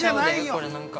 これなんか。